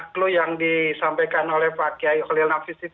klu yang disampaikan oleh pak kiai